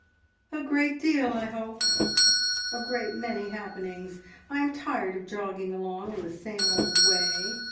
"A great deal, I hope a great many happenings. I am tired of jogging along in the same old way.